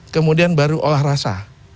kemudian baru olah rasa